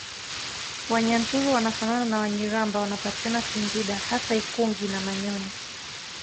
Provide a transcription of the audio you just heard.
Wanyaturu wanafanana na Wanyiramba wanapatikana singida hasa ikungi na manyoni